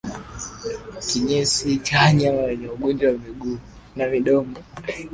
Kinyesi cha wanyama wenye ugonjwa wa miguu na midomo